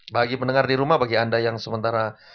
bagi pendengar di rumah bagi anda yang sementara